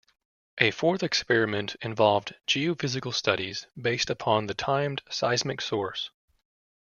A fourth experiment involved geophysical studies based upon the timed seismic source.